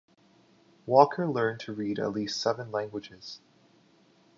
Walker learned to read at least seven languages.